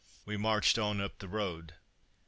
We marched on up the road.